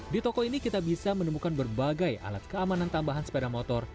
di toko ini kita bisa menemukan berbagai alat keamanan tambahan sepeda motor